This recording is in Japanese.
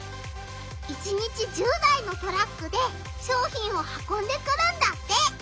１日１０台のトラックで商品をはこんでくるんだって！